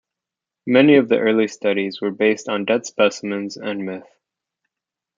Many of the early studies were based on dead specimens and myth.